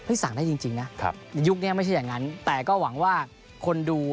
สั่งได้จริงนะในยุคนี้ไม่ใช่อย่างนั้นแต่ก็หวังว่าคนดู